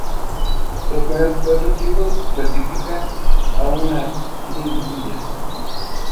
Los primeros cuatro equipos clasifican a una liguilla.